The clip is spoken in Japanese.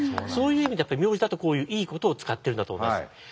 そういう意味ではやっぱり名字だとこういういいことを使っているんだと思います。